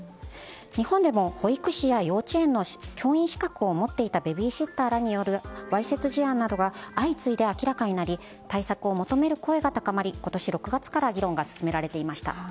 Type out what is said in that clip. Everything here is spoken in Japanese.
日本でも、保育士や幼稚園の教員資格を持っていたベビーシッターらによるわいせつ事案などが相次いで明らかになり対策を求める声が高まり今年６月から議論が進められていました。